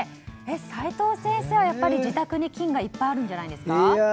齋藤先生は、やっぱり自宅に金がいっぱいあるんじゃないですか。